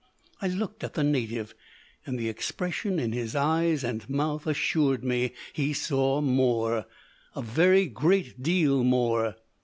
I looked at the native, and the expression in his eyes and mouth assured me he saw more a very great deal more.